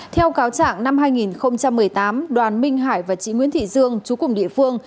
theo cáo trạng năm hai nghìn một mươi tám đoàn minh hải và chị nguyễn thị dương chú cùng địa phương